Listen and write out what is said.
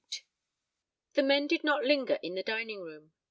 XXXVIII The men did not linger in the dining room.